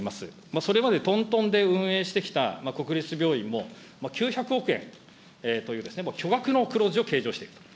それまで、とんとんで運営してきた国立病院も、９００億円という巨額の黒字を計上していると。